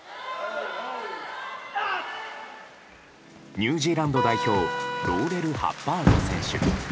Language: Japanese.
ニュージーランド代表ローレル・ハッバード選手。